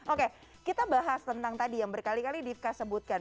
oke kita bahas tentang tadi yang berkali kali divka sebutkan